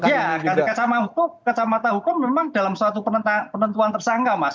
iya dari kacamata hukum memang dalam suatu penentuan tersangka mas